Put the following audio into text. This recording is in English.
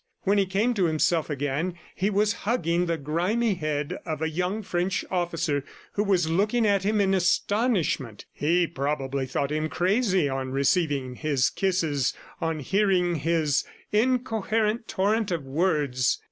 When he came to himself again, he was hugging the grimy head of a young French officer who was looking at him in astonishment. He probably thought him crazy on receiving his kisses, on hearing his incoherent torrent of words.